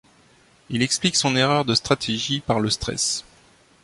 Il explique son erreur de stratégie par le stress.